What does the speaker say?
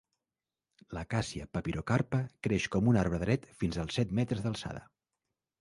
L'acacia papyrocarpa creix com un arbre dret fins als set metres d'alçada.